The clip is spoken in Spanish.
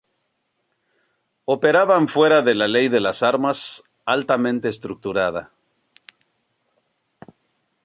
Operaban fuera de la ley de las armas, altamente estructurada.